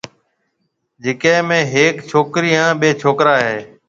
جڪو ۾ هيَڪ ڇوڪرِي هانَ ٻي ڇوڪرا هيَ۔